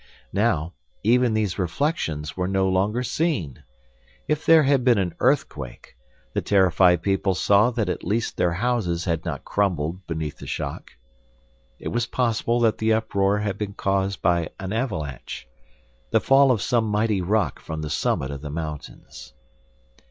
Now, even these reflections were no longer seen. If there had been an earthquake, the terrified people saw that at least their houses had not crumbled beneath the shock. It was possible that the uproar had been caused by an avalanche, the fall of some mighty rock from the summit of the mountains.